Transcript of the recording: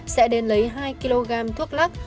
sẽ đến lấy hai kg thuốc lắc